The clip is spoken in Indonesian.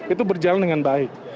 itu berjalan dengan baik